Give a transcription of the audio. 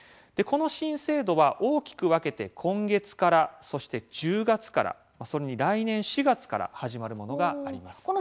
この新制度は大きく分けて今月からそして１０月からそれに来年４月から始まるものがあります。